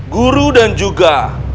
guru dan juga